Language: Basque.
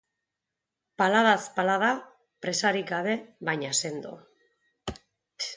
Paladaz palada, presarik gabe, baina sendo.